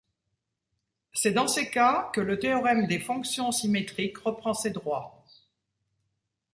C'est dans ces cas que le théorème des fonctions symétriques reprend ses droits.